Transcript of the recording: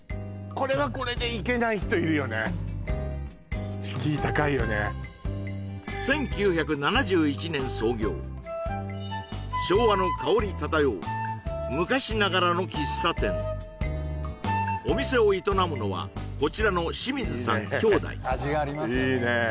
これはこれで行けない人いるよね敷居高いよね昭和の香り漂う昔ながらの喫茶店お店を営むのはこちらの清水さん兄弟味がありますよね